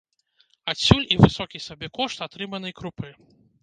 Адсюль і высокі сабекошт атрыманай крупы.